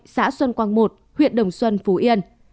xã xuân quang một huyện đồng xuân phú yên